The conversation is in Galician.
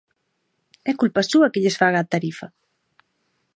¡É culpa súa que lles faga a tarifa!